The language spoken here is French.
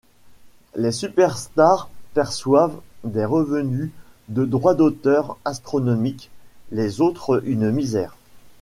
Les superstars perçoivent des revenus de droit d’auteur astronomiques, les autres une misère.